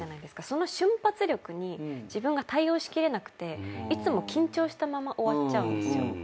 その瞬発力に自分が対応しきれなくていつも緊張したまま終わっちゃうんですよ。